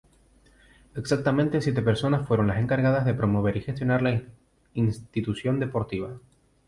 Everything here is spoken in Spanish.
Exactamente siete personas fueron las encargadas de promover y gestionar la institución deportiva.